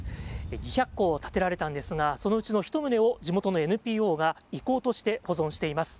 ２００戸建てられたんですが、そのうちの１棟を地元のＮＰＯが遺構として保存しています。